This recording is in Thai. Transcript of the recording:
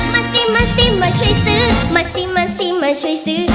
ซิมาสิมาช่วยซื้อมาซิมาซิมาช่วยซื้อ